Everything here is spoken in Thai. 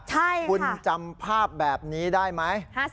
คุณจำภาพแบบนี้ได้ไหม